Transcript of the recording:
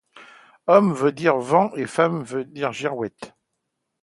Homme veut dire vent et femme girouette.